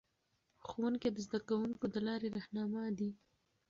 ښوونکي د زده کوونکو د لارې رهنما دي.